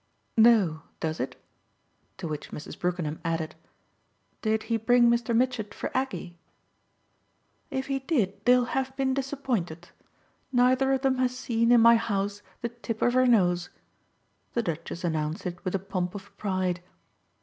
"No, does it?" To which Mrs. Brookenham added: "Did he bring Mr. Mitchett for Aggie?" "If he did they'll have been disappointed. Neither of them has seen, in my house, the tip of her nose." The Duchess announced it with a pomp of pride.